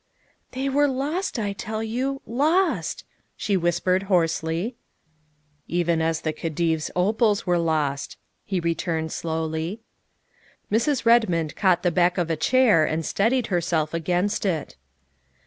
" They were lost, I tell you lost," she whispered hoarsely. '' Even as the Khedive 's opals were lost, '' he returned slowly. Mrs. Redmond caught the back of a chair and steadied herself against it.